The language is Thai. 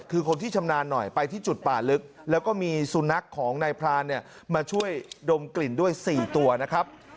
คือคนที่ชำนาญหน่อยไปที่จุดป่าลึกแล้วก็มีสุนัขของนายพรานเนี่ยมาช่วยดมกลิ่นด้วย๔ตัวนะครับ